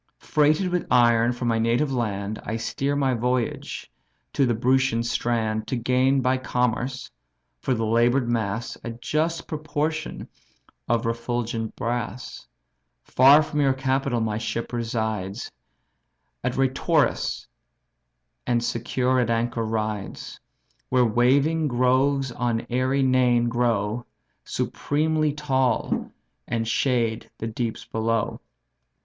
Freighted with iron from my native land, I steer my voyage to the Brutian strand To gain by commerce, for the labour'd mass, A just proportion of refulgent brass. Far from your capital my ship resides At Reitorus, and secure at anchor rides; Where waving groves on airy Neign grow, Supremely tall and shade the deeps below.